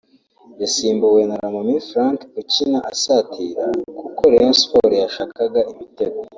yasimbuwe na Lomami Frank ukina asatira kuko Rayon Sports yashakaga ibitego